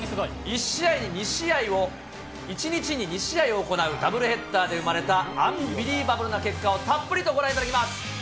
１日に２試合を行うダブルヘッダーで生まれた、アンビリーバブルな結果をたっぷりとご覧いただきます。